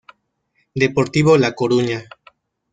Deportivo La Coruña.